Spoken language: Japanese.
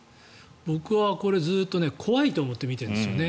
僕はこれ、ずっと怖いと思って見てますよね。